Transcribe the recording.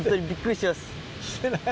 してない。